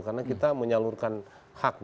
karena kita menyalurkan hak